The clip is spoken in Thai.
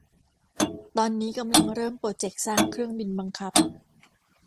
ตอนนี้กำลังเริ่มโปรเจกต์สร้างเครื่องบินบังคับ